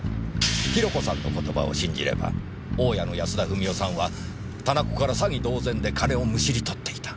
ヒロコさんの言葉を信じれば大家の安田富美代さんは店子から詐欺同然で金をむしり取っていた。